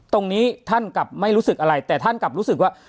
ตรงนี้ท่านกลับไม่รู้สึกอะไรแต่ท่านกลับรู้สึกว่า